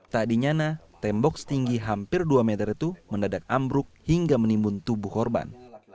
tak dinyana tembok setinggi hampir dua meter itu mendadak ambruk hingga menimbun tubuh korban